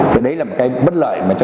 thì đấy là một cái bất lợi